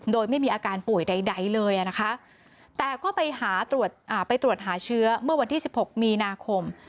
โดยไม่มีอาการป่วยใดเลยนะคะแต่ก็ไปหาไปตรวจหาเชื้อเมื่อวันที่๑๖มีนาคม